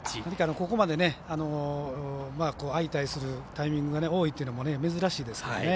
ここまで相対するタイミングが多いというのも珍しいですからね。